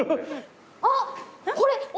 あっこれ。